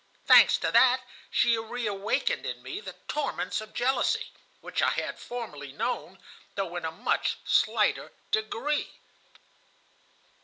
Thanks to that, she reawakened in me the torments of jealousy which I had formerly known, though in a much slighter degree."